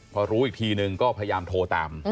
พอรู้อีกทีนึงก็พยายามโทรตาม